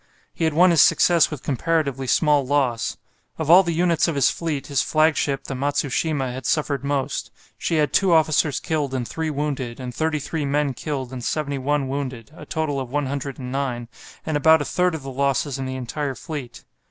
He had won his success with comparatively small loss. Of all the units of his fleet his flagship, the "Matsushima," had suffered most. She had two officers killed and three wounded, and 33 men killed and 71 wounded, a total of 109, and about a third of the losses in the entire fleet.